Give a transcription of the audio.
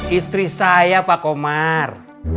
istri saya pak komar